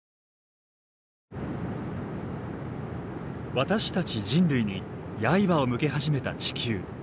私たち人類にやいばを向け始めた地球。